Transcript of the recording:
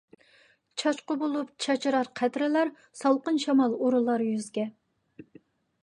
چاچقۇ بولۇپ چاچرار قەترىلەر، سالقىن شامال ئۇرۇلار يۈزگە.